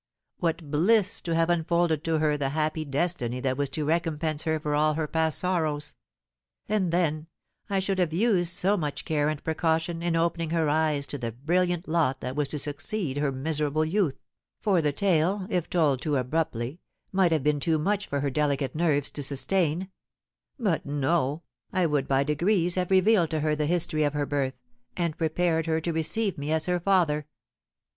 What bliss to have unfolded to her the happy destiny that was to recompense her for all her past sorrows! And, then, I should have used so much care and precaution in opening her eyes to the brilliant lot that was to succeed her miserable youth, for the tale, if told too abruptly, might have been too much for her delicate nerves to sustain; but, no, I would by degrees have revealed to her the history of her birth, and prepared her to receive me as her father!"